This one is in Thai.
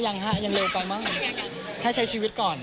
ยังไห้ยังเร็วกว่ามากให้ใช้ชีวิตก่อน